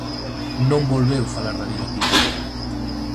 Non volveu falar da guillotina.